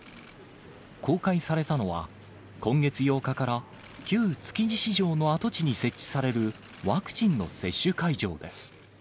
公開されたのは、今月８日から旧築地市場の跡地に設置されるワクチンの接種会場です。